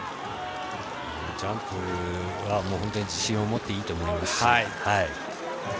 ジャンプはもう本当に自信を持っていいと思いますし。